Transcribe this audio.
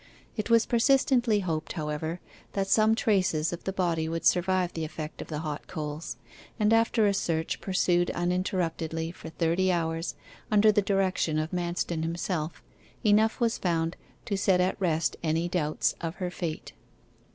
It was persistently hoped, however, that some traces of the body would survive the effect of the hot coals, and after a search pursued uninterruptedly for thirty hours, under the direction of Manston himself, enough was found to set at rest any doubts of her fate.